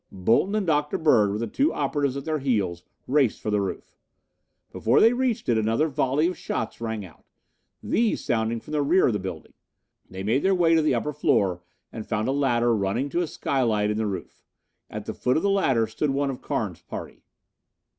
Bolton and Dr. Bird, with the two operatives at their heels, raced for the roof. Before they reached it another volley of shots rang out, these sounding from the rear of the building. They made their way to the upper floor and found a ladder running to a skylight in the roof. At the foot of the ladder stood one of Carnes' party.